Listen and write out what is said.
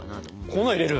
粉入れる？